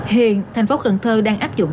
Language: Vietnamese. hiện thành phố cần thơ đang áp dụng